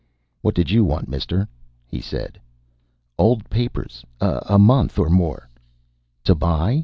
"What did you want, mister?" he said. "Old papers. A month. Or more." "To buy?